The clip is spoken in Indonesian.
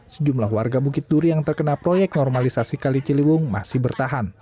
sejumlah warga bukit duri yang terkena proyek normalisasi kali ciliwung masih bertahan